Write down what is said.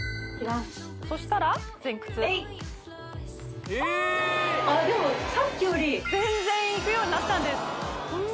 そしたら前屈あっでもさっきより全然いくようになったんです